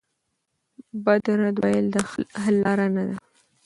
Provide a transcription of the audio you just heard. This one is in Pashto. بد رد ویل د حل لاره نه ده.